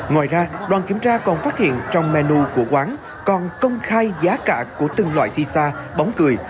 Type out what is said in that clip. ngoài ra đoàn kiểm tra còn phát hiện trong menu của quán còn công khai giá cả của từng loại sisa bóng cười